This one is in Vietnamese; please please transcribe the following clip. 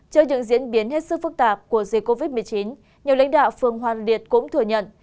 trước những diễn biến hết sức phức tạp của dịch covid một mươi chín nhiều lãnh đạo phường hoàn liệt cũng thừa nhận